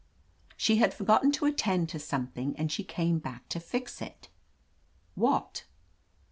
"She had forgotten to attend to something, and she came back to fix it." "What?"